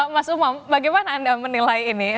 mas umam bagaimana anda menilai ini